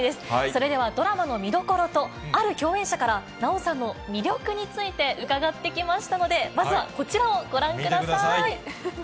それでは、ドラマの見どころと、ある共演者から奈緒さんの魅力について伺ってきましたので、見てください。